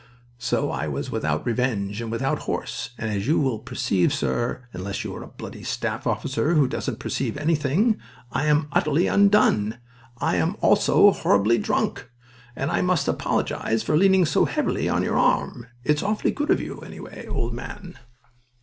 So I was without revenge and without horse, and, as you will perceive, sir unless you are a bloody staff officer who doesn't perceive anything I am utterly undone. I am also horribly drunk, and I must apologize for leaning so heavily on your arm. It's awfully good of you, anyway, old man."